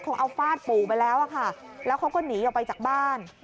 เอาฟาดปู่ไปแล้วอะค่ะแล้วเขาก็หนีออกไปจากบ้าน